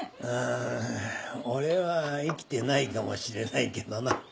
うーん俺は生きてないかもしれないけどな。